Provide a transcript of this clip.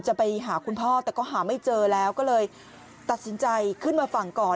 จะไปหาคุณพ่อแต่ก็หาไม่เจอแล้วก็เลยตัดสินใจขึ้นมาฝั่งก่อน